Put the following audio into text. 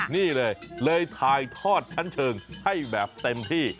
นี่เลยเลยถ่ายทอดชั้นเชิงให้แบบเต็มที่